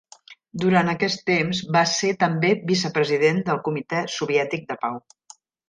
Durant aquest temps va ser també vicepresident del Comitè Soviètic de Pau.